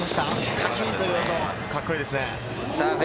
カキンという音、カッコいいですね。